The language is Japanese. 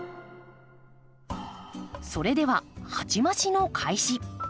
それでは鉢増しの開始。